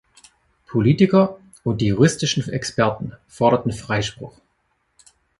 Politiker und die juristischen Experten forderten Freispruch.